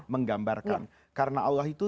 menggambarkan karena allah itu